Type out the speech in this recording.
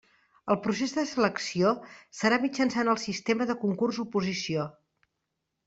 El procés de selecció serà mitjançant el sistema de concurs-oposició.